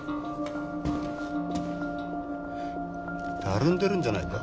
たるんでるんじゃないか？